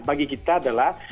bagi kita adalah